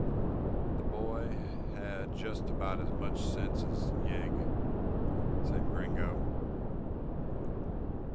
"The boy has just about as much sense as Yeg," said Gringo.